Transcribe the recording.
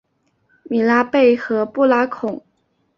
米拉贝和布拉孔。